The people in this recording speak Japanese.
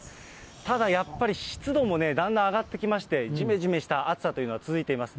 ただやっぱり、湿度もね、だんだん上がってきまして、じめじめした暑さというのは続いています。